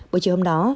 buổi chiều hôm đó